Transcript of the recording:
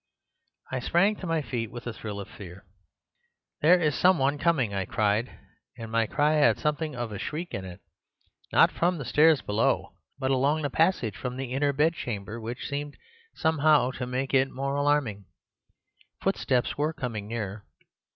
"I sprang to my feet with a thrill of fear. 'There is some one coming,' I cried, and my cry had something of a shriek in it. Not from the stairs below, but along the passage from the inner bedchamber (which seemed somehow to make it more alarming), footsteps were coming nearer.